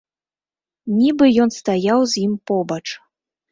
Нібы ён стаяў з ім побач.